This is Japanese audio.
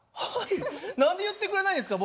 何で言ってくれないんですか？